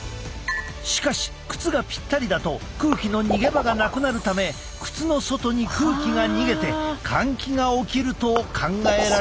しかし靴がぴったりだと空気の逃げ場がなくなるため靴の外に空気が逃げて換気が起きると考えられている。